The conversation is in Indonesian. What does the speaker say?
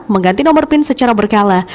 mengganti nomor pin secara berkala